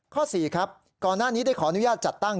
ข้อ๔ครับก่อนหน้านี้ได้ขออนุญาตจัดตั้ง